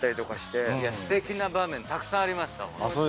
すてきな場面たくさんありました。